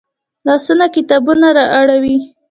لاسونه کتابونه اړوي